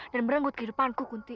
dan merenggut kehidupanku kunti